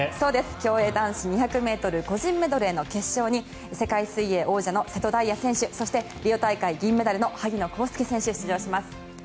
競泳男子２００ｍ個人メドレーの決勝に世界水泳王者の瀬戸大也選手そして、リオ大会銀メダルの萩野公介選手が出場します。